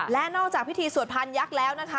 และนอกจากพิธีสวดพานยักษ์แล้วนะคะ